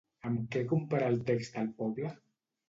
Amb què compara el text el poble?